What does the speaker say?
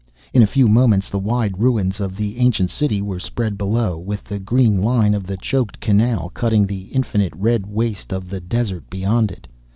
In a few moments the wide ruins of the ancient city were spread below, with the green line of the choked canal cutting the infinite red waste of the desert beyond it.